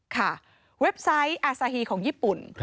เว็บไซต์อาซาฮีของญี่ปุ่น